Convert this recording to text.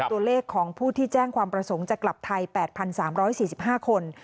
ตัวเลขของผู้ที่แจ้งความประสงค์จะกลับไทย๘๓๔๕คน